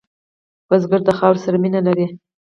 کروندګر د خاورې سره مینه لري